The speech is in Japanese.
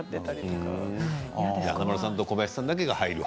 華丸さんと小林さんだけが入る。